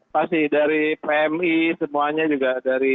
pasti dari pmi semuanya juga dari